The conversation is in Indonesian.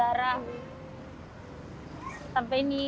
sampai ini terkadang juga sih air mata saya jatuh